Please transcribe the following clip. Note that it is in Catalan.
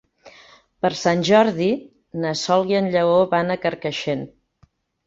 Per Sant Jordi na Sol i en Lleó van a Carcaixent.